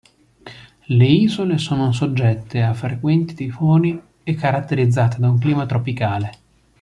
Le isole sono soggette a frequenti tifoni e caratterizzate da un clima tropicale.